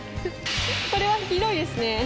これはひどいですね。